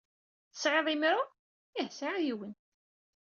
Tesɛiḍ imru? Ih, sɛiɣ yiwen.